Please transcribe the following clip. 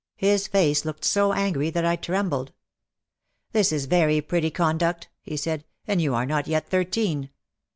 His face looked so angry that I trembled. "This is very pretty conduct," he said. "And you are not yet thirteen."